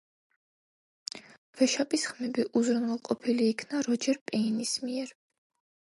ვეშაპის ხმები უზრუნველყოფილი იქნა როჯერ პეინის მიერ.